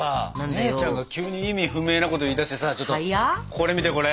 姉ちゃんが急に意味不明なこと言いだしてさちょっとこれ見てこれ。